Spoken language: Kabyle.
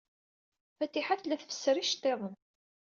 Fatiḥa tella tfesser iceḍḍiḍen.